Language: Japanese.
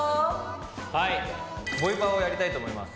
はいボイパをやりたいと思います